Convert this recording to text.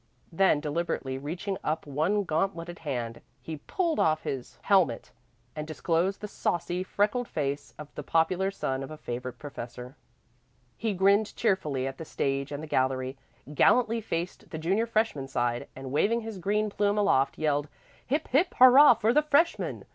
Then, deliberately reaching up one gauntleted hand, he pulled off his helmet, and disclosed the saucy, freckled face of the popular son of a favorite professor. He grinned cheerfully at the stage and the gallery, gallantly faced the junior freshman side, and waving his green plume aloft yelled, "Hip, hip, hurrah for the freshmen!"